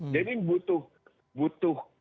jadi butuh butuh ke